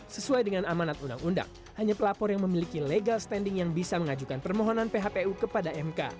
sesuai dengan amanat undang undang hanya pelapor yang memiliki legal standing yang bisa mengajukan permohonan phpu kepada mk